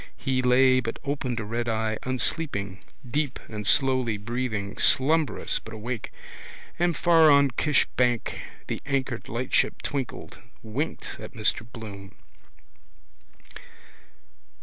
He lay but opened a red eye unsleeping, deep and slowly breathing, slumberous but awake. And far on Kish bank the anchored lightship twinkled, winked at Mr Bloom.